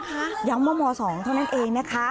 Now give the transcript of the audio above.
นี่ค่ะย้ำว่ามสองเท่านั้นเองนะคะ